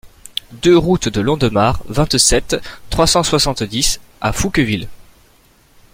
deux route de Londemare, vingt-sept, trois cent soixante-dix à Fouqueville